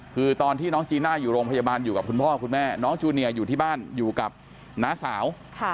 คือตอนที่น้องจีน่าอยู่โรงพยาบาลอยู่กับคุณพ่อคุณแม่น้องจูเนียอยู่ที่บ้านอยู่กับน้าสาว